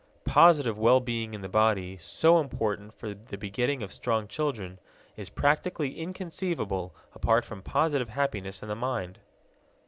Positive well being in the body, so important for the begetting of strong children, is practically inconceivable apart from positive happiness in the mind.